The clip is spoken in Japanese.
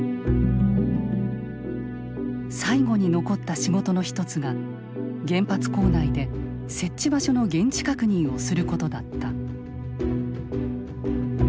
最後に残った仕事の一つが原発構内で設置場所の現地確認をすることだった。